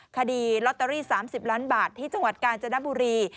คดีลอตเตอรี่๓๐ล้านบาทที่จังหวัดกาญจนบุรี